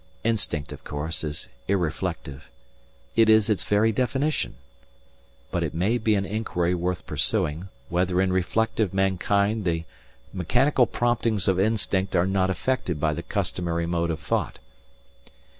Instinct, of course, is irreflective. It is its very definition. But it may be an inquiry worth pursuing, whether in reflective mankind the mechanical promptings of instinct are not affected by the customary mode of thought.